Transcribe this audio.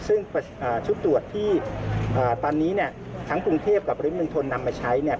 ซึ่งชุดตรวจที่ตอนนี้เนี่ยทั้งกรุงเทพกับปริมณฑลนำมาใช้เนี่ย